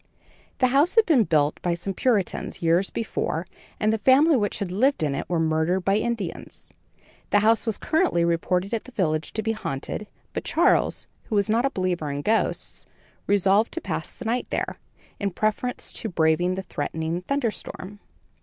The house had been built by some Puritans, years before, and the family which had lived in it were murdered by Indians. The house was currently reported at the village to be haunted; but Charles, who was not a believer in ghosts, resolved to pass the night there, in preference to braving a threatening thunderstorm.